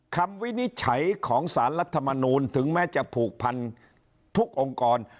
วินิจฉัยของสารรัฐมนูลถึงแม้จะผูกพันทุกองค์กร